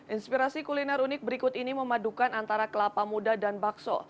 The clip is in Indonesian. inspirasi kuliner unik berikut ini memadukan antara kelapa muda dan bakso